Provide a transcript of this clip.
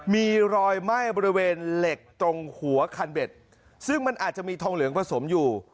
มีรอยไหม้บริเวณเหล็กตรงหัวคันเบ็ดซึ่งมันอาจจะมีทองเหลืองผสมอยู่